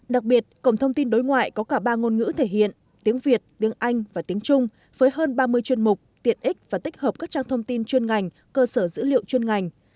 đặc biệt cổng thông tin đối ngoại có cả ba ngôn ngữ thể hiện tiếng việt tiếng anh và tiếng trung với hơn ba mươi chuyên mục tiện ích và tích hợp các trang thông tin chuyên ngành cơ sở dữ liệu chuyên ngành